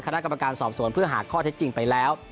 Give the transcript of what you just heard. คณะกรรมการสอบสวนเพื่อหาข้อเท็จจริงไปแล้ว